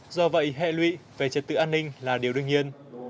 do vậy hệ lụy về trật tự an ninh là điều đương nhiên